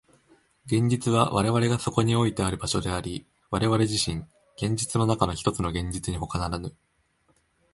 現実は我々がそこにおいてある場所であり、我々自身、現実の中のひとつの現実にほかならぬ。